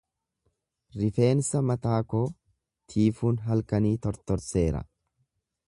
Rifeensa mataa koo tiifuun halkanii tortorseera.